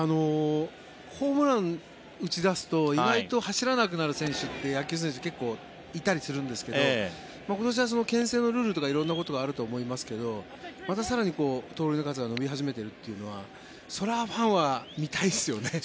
ホームラン打ち出すと意外と走らなくなる選手って野球選手結構いたりするんですが今年はけん制のルールとか色んなことがあると思いますがまた更に盗塁の数が伸び始めているというのはそれはファンは見たいですよね。